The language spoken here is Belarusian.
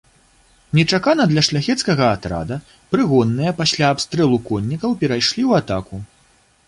Нечакана для шляхецкага атрада прыгонныя пасля абстрэлу коннікаў перайшлі ў атаку.